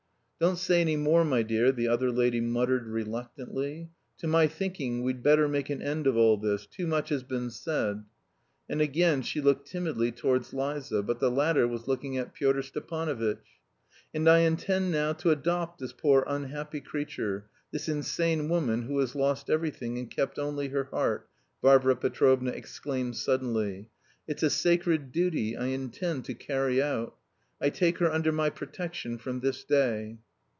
"Don't say any more, my dear," the other lady muttered reluctantly. "To my thinking we'd better make an end of all this; too much has been said." And again she looked timidly towards Liza, but the latter was looking at Pyotr Stepanovitch. "And I intend now to adopt this poor unhappy creature, this insane woman who has lost everything and kept only her heart," Varvara Petrovna exclaimed suddenly. "It's a sacred duty I intend to carry out. I take her under my protection from this day."